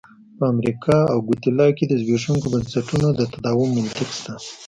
په امریکا او ګواتیلا کې د زبېښونکو بنسټونو د تداوم منطق شته.